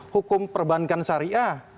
hukum perbankan syariah